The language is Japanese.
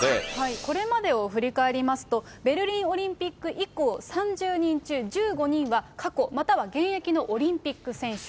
これまでを振り返りますと、ベルリンオリンピック以降、３０人中１５人は、過去、または現役のオリンピック選手。